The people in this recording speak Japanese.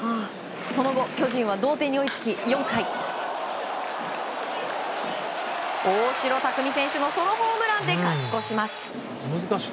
その後、巨人は同点に追いつき、４回大城卓三選手のソロホームランで勝ち越します。